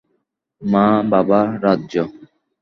মা, বাবা, রাজ্য।